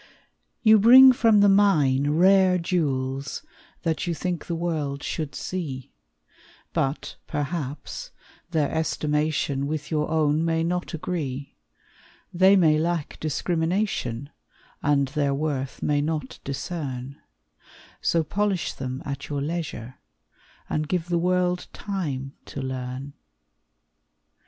You bring from the mine rare jewels, That you think the world should see; But, perhaps, their estimation With your own may not agree; They may lack discrimination, And their worth may not discern; So polish them at your leisure, And give the world time to learn.